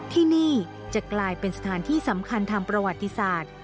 ที่นี่จะกลายเป็นสถานที่สำคัญทางประวัติศาสตร์